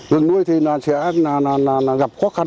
ngừng nuôi thì sẽ gặp khó khăn